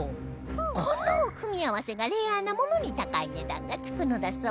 この組み合わせがレアなものに高い値段がつくのだそう